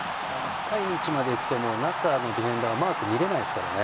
深い位置まで行くと中のディフェンダーもマーク見れないですからね。